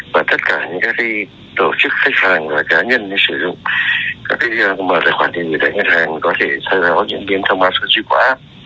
và tất cả những cái tổ chức khách hàng và cá nhân sử dụng các cái mở tài khoản thì người đại ngân hàng có thể xây dựng những biến thông báo số dư quả